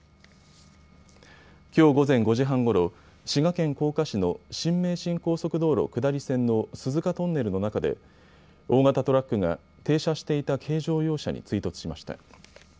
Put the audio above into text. きょう午前５時半ごろ、滋賀県甲賀市の新名神高速道路下り線の鈴鹿トンネルの中で大型トラックが、停車していた軽乗用車に追突しました。